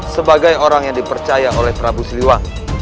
sebagai orang yang dipercaya oleh prabu siliwan